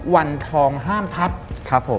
วันทองห้ามทัพ